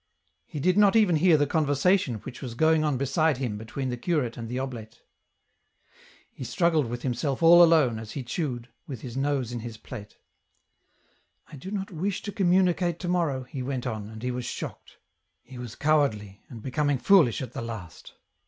He did not even hear the conversation which was going on beside him between the curate and the oblate. He struggled with himself all alone, as he chewed, with his nose in his plate. " I do not wish to communicate to morrow," he went on, and he was shocked. He was cowardly, and becoming foohsh at the last.